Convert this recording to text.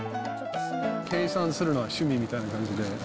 計算するのが趣味みたいな感じで。